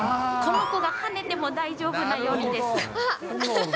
この子が跳ねても大丈夫なようにです。